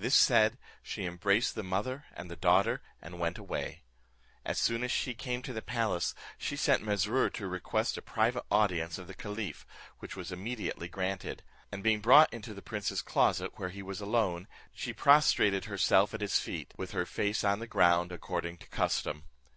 This said, she embraced the mother and the daughter, and went away. As soon as she came to the palace, she sent Mesrour to request a private audience of the caliph, which was immediately granted; and being brought into the prince's closet, where he was alone, she prostrated herself at his feet, with her face on the ground, according to custom.